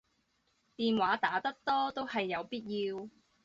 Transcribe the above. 電話打得多都係有必要